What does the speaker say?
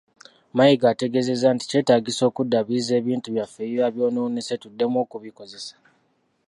Mayiga ategeezezza nti kyetaagisa okuddaabiriza ebintu byaffe ebiba byonoonese tuddemu okubikozesa.